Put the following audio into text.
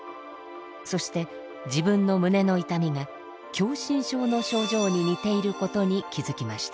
そして自分の胸の痛みが狭心症の症状に似ていることに気付きました。